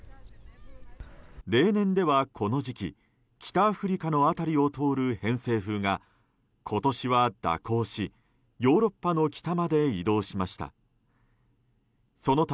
例年ではこの時期北アフリカの辺りを通る偏西風が今年は蛇行しヨーロッパの北まで移動しました。